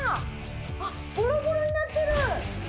あっボロボロになってる！